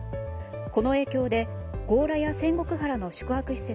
この影響で強羅や仙石原の宿泊施設